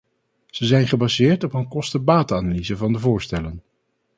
Ze zijn gebaseerd op een kosten-batenanalyse van de voorstellen.